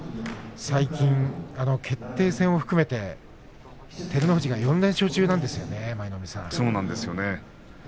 最近、決定戦を含めて照ノ富士が４連勝中なんですよね。